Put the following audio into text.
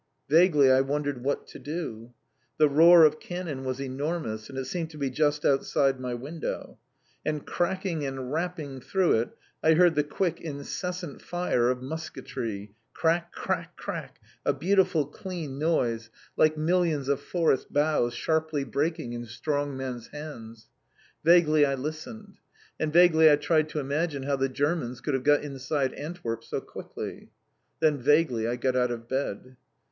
Vaguely I wondered what to do. The roar of cannon was enormous, and it seemed to be just outside my window. And cracking and rapping through it, I heard the quick, incessant fire of musketry crack, crack, crack, a beautiful, clean noise, like millions of forest boughs sharply breaking in strong men's hands. Vaguely I listened. And vaguely I tried to imagine how the Germans could have got inside Antwerp so quickly. Then vaguely I got out of bed.